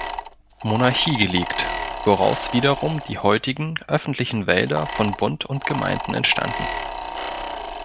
Monarchie gelegt, woraus wiederum die heutigen öffentlichen Wälder von Bund und Gemeinden entstanden.